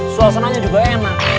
suasana juga enak